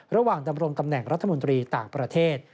ดำรงตำแหน่งรัฐมนตรีต่างประเทศ